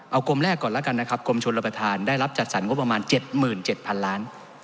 เอากรมแรกก่อนแล้วกันนะครับกรมชนรับประทานได้รับจัดสรรงบประมาณ๗๗๐๐๐ล้าน